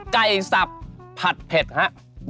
ไก่สับผัดเผ็ดครับ